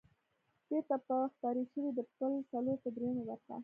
بېرته به خپرې شوې، د پل څلور پر درېمه برخه.